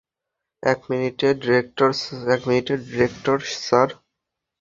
এক মিনিটের director sir.